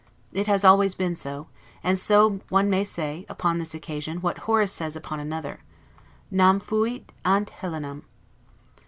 It has always been so: and one may say, upon this occasion, what Horace says upon another, 'Nam fuit ante Helenam'.